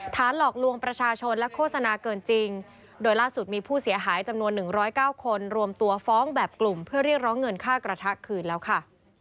หลอกลวงประชาชนและโฆษณาเกินจริงโดยล่าสุดมีผู้เสียหายจำนวน๑๐๙คนรวมตัวฟ้องแบบกลุ่มเพื่อเรียกร้องเงินค่ากระทะคืนแล้วค่ะ